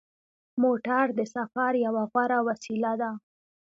موټر د سفر یوه غوره وسیله ده.